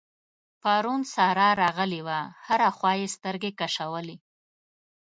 پرون سارا راغلې وه؛ هره خوا يې سترګې کشولې.